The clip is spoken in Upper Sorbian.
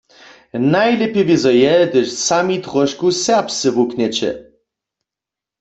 Najlěpje wězo je, hdyž sami tróšku serbsce wuknjeće.